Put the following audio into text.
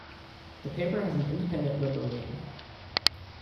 The paper has an independent liberal leaning.